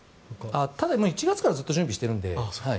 ただ、１月からずっと準備しているので。